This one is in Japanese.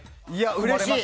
うれしい！